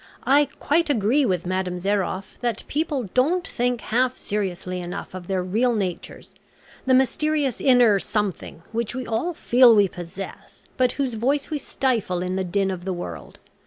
I quite agree with Madame Zairoff that people don't think half seriously enough of their real natures, the mysterious inner something which we all feel we possess, but whose voice we stifle in the din of the world.